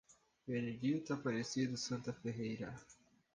Benedito Aparecido Santana Ferreira